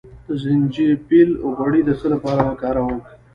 د زنجبیل غوړي د څه لپاره وکاروم؟